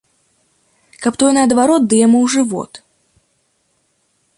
Каб тое наадварот ды яму ў жывот.